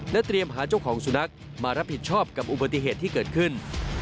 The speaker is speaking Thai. เตรียมหาเจ้าของสุนัขมารับผิดชอบกับอุบัติเหตุที่เกิดขึ้น